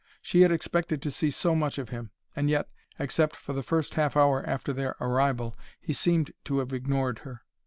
She had expected to see so much of him; and yet, except for the first half hour after their arrival, he seemed to have ignored her.